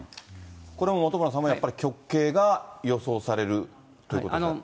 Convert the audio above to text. これ、本村さんもやっぱり極刑が予想されるということですか。